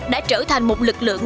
đã trở thành một lực lượng